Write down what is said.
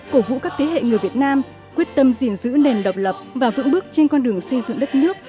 cổ vũ các thế hệ người việt nam quyết tâm gìn giữ nền độc lập và vững bước trên con đường xây dựng đất nước